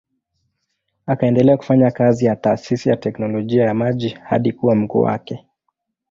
Akaendelea kufanya kazi ya taasisi ya teknolojia ya maji hadi kuwa mkuu wake.